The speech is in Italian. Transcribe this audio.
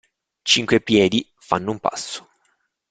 Cinque piedi fanno un passo.